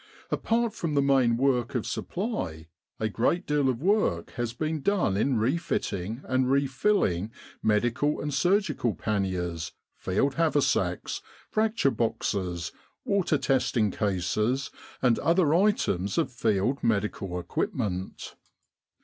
Apart from the main work of supply a great deal of work has been done in refitting and refilling Medical and Surgical Panniers, Field Haversacks, Fracture Boxes, Water testing Cases, and other items of Field medical equipment.